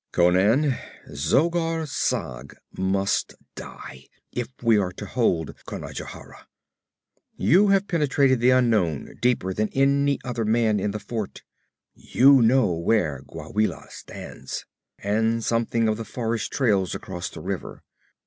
'Conan, Zogar Sag must die, if we are to hold Conajohara. You have penetrated the unknown deeper than any other man in the fort; you know where Gwawela stands, and something of the forest trails across the river.